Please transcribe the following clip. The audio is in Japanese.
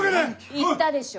言ったでしょ。